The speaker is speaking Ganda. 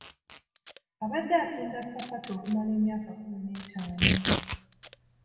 Abadde atunda ssapatu okumala emyaka kkumi n'etaano.